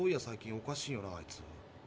最近おかしいよなあいつ。